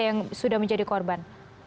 yang sudah menjadi korban